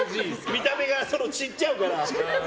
見た目が散っちゃうから。